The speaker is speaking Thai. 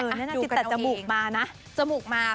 น่าจะตัดจมูกมานะ